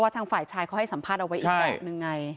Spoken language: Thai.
ทางฝ่ายชายเขาให้สัมภาษณ์เอาไว้อีกแบบนึงไง